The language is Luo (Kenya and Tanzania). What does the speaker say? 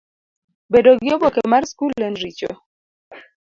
Bedo gi oboke mar skul en richo?